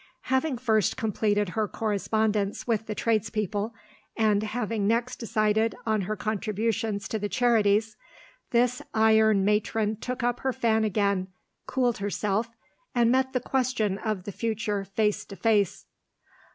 Having first completed her correspondence with the tradespeople, and having next decided on her contributions to the Charities, this iron matron took up her fan again, cooled herself, and met the question of the future face to face.